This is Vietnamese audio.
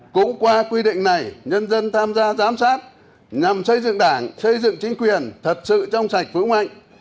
cũng qua quy định này nhân dân tham gia giám sát nhằm xây dựng đảng xây dựng chính quyền thật sự trong sạch vững mạnh